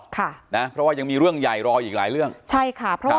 ค่ะนะเพราะว่ายังมีเรื่องใหญ่รออีกหลายเรื่องใช่ค่ะเพราะว่า